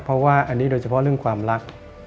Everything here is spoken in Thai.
เพราะว่าอันนี้โดยเฉพาะเรื่องความรัก